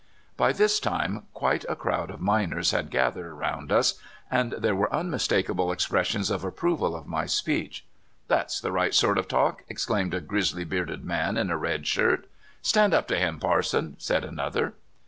" By this time quite a crowd of miners had gath ered around us, and there were unmistakable ex pressions of approval of my speech. That's the rio; ht sort of talk!" exclaimed a grizzly bearded man in a red shirt. *' Stand up to him, parson! " said another.